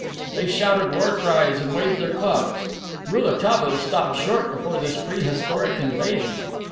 They shouted war cries and waved their clubs. Rouletabille stopped short before this prehistoric invasion.